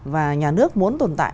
và nhà nước muốn tồn tại